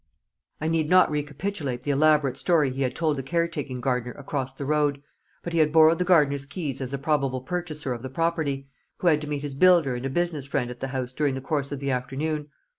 I need not recapitulate the elaborate story he had told the caretaking gardener across the road; but he had borrowed the gardener's keys as a probable purchaser of the property, who had to meet his builder and a business friend at the house during the course of the afternoon.